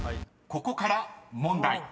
［ここから問題］